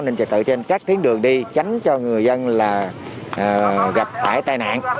nên trật tự trên các tiếng đường đi tránh cho người dân gặp phải tai nạn